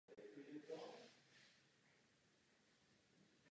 Během této dekády získalo mužstvo celkem pět ligových titulů.